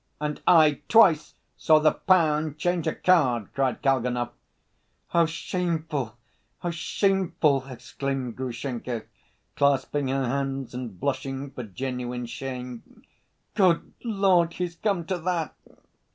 "And I twice saw the pan change a card!" cried Kalganov. "How shameful! How shameful!" exclaimed Grushenka, clasping her hands, and blushing for genuine shame. "Good Lord, he's come to that!"